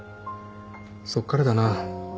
そっからだな。